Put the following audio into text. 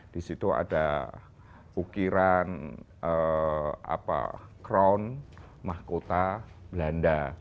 di situ ada ukiran crown mahkota belanda